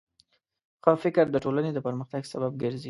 ښه فکر د ټولنې د پرمختګ سبب ګرځي.